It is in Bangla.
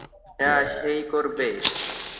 হ্যাঁ, সেই করবে।